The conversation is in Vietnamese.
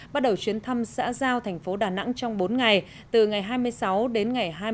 bắt đầu chuyến thăm xã giao thành phố đà nẵng trong bốn ngày từ ngày hai mươi sáu đến ngày hai mươi chín tháng bốn